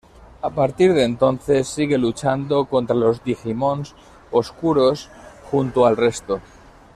A partir de entonces sigue luchando contra los Digimons oscuros junto al resto.